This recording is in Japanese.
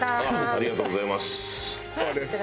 ありがとうございます。